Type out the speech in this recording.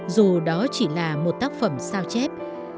dù đó chỉ là một tác phẩm sao chép